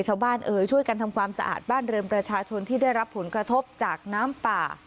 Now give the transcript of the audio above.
เอ่ยช่วยกันทำความสะอาดบ้านเรือนประชาชนที่ได้รับผลกระทบจากน้ำป่า